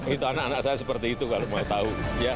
itu anak anak saya seperti itu kalau mau tahu